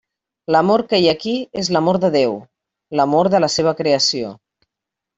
L'amor que hi ha aquí és l'amor de Déu, l'amor de la seva creació.